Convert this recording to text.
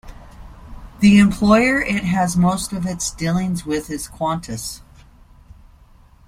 The employer it has most of its dealings with is Qantas.